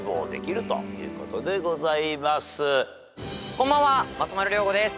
こんばんは松丸亮吾です。